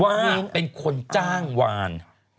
ว่าเป็นคนจ้างวาน